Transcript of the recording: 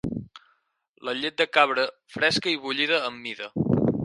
La llet de cabra, fresca i bullida amb mida.